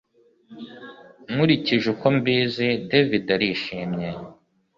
Nkurikije uko mbizi David arishimye